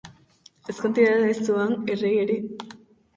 Ezkontidea ez zuan errege ere.